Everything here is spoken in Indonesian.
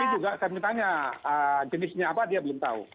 tapi juga saya bertanya jenisnya apa dia belum tahu